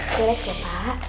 tensi lho pak